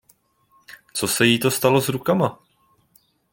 Co se jí stalo s rukama?